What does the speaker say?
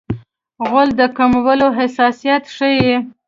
غول د کولمو حساسیت ښيي.